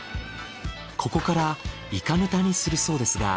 ここからイカぬたにするそうですが。